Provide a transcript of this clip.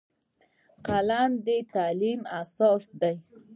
قلم د تعلیم اساس دی